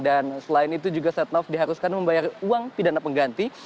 dan selain itu juga setnov diharuskan membayar uang pidana pengganti